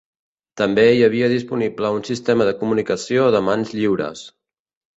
També hi havia disponible un sistema de comunicació de mans lliures.